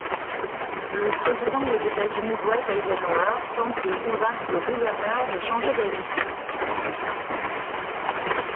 Le président des États-Unis Dwight Eisenhower tente de convaincre le gouverneur de changer d’avis.